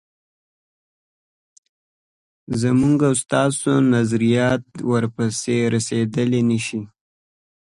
زموږ او ستاسو نظریات ورپسې رسېدلای نه شي.